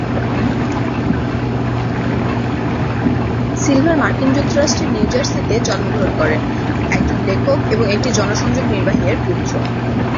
Silver মার্কিন যুক্তরাষ্ট্রের New জার্সিতে জন্মগ্রহণ করেন, একজন লেখক এবং একটি জনসংযোগ নির্বাহী এর পুত্র।